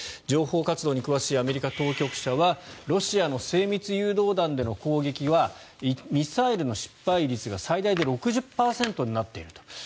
情報活動に詳しいアメリカ当局者はロシアの精密誘導弾での攻撃はミサイルの失敗率が最大で６０％になっていると。